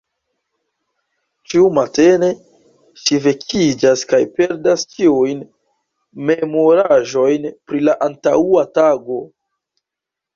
Ĉiu matene ŝi vekiĝas kaj perdas ĉiujn memoraĵojn pri la antaŭa tago.